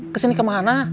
ke sini kemana